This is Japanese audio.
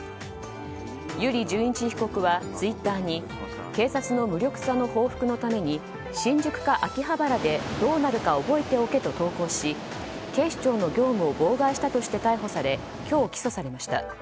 油利潤一被告はツイッターに警察の無力さの報復のために新宿か秋葉原でどーなるか覚えておけと投稿し警視庁の業務を妨害したとして逮捕され今日起訴されました。